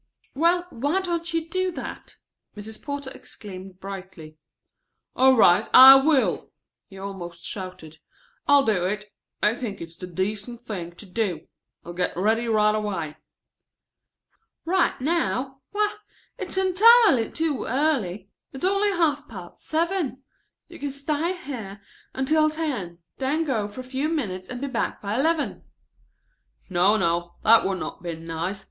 "Well, why don't you do that?" Mrs. Porter exclaimed brightly. "All right, I will!" he almost shouted. "I'll do it. I think it's the decent thing to do. I'll get ready right away." "Right now? Why, it's entirely too early. It's only half past seven. You can stay here until ten, then go for a few minutes and be back by eleven." "No, no, that would not be nice.